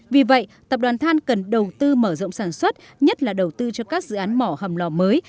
vì vậy tập đoàn than cần đầu tư mở rộng sản xuất nhất là đầu tư cho các dự án mỏ hầm lò mới